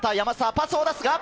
パスを出す。